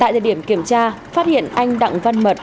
tại thời điểm kiểm tra phát hiện anh đặng văn mật